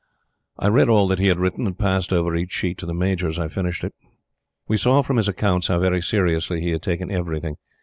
I read all that he had written, and passed over each sheet to the Major as I finished it. We saw from his accounts how very seriously he had taken everything.